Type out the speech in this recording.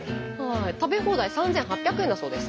食べ放題３，８００円だそうです。